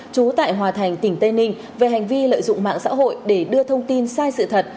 trú tại hòa thành tỉnh tây ninh về hành vi lợi dụng mạng xã hội để đưa thông tin sai sự thật